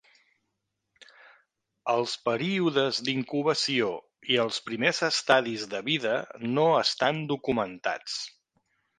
Els períodes d'incubació i els primers estadis de vida no estan documentats.